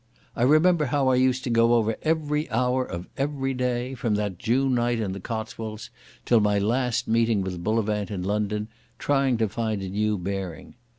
I remember how I used to go over every hour of every day from that June night in the Cotswolds till my last meeting with Bullivant in London, trying to find a new bearing.